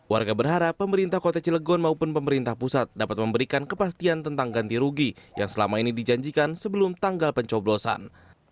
warga berharap pemerintah kota cilegon maupun pemerintah pusat dapat memberikan kepastian tentang ganti rugi yang selama ini dijanjikan sebelum tanggal pencoblosan